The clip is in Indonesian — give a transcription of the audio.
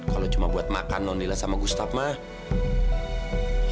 kalau cuma buat makan nonila sama gustaf mah